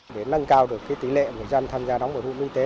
để nâng cao được tỷ lệ người dân tham gia đóng bảo hiểm y tế